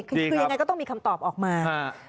คือยังไงก็ต้องมีคำตอบออกมา